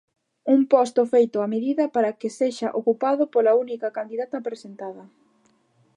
Un posto feito "a medida" para que sexa ocupado pola única candidata presentada.